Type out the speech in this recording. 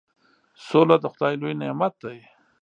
سوله د خدای لوی نعمت دی.